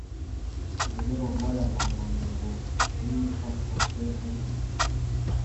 Je mets aux voix l’amendement numéro mille cinq cent seize rectifié.